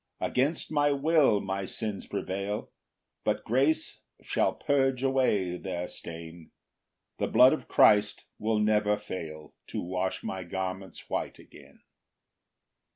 3 Against my will my sins prevail, But grace shall purge away their stain; The blood of Christ will never fail To wash my garments white again.